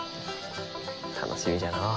楽しみじゃのう。